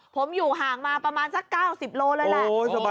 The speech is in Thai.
ผมอยู่ห่างมาประมาณสัก๙๐โลเลยแหละ